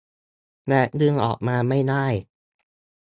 และดึงออกมาไม่ได้